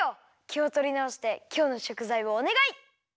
きをとりなおしてきょうのしょくざいをおねがい！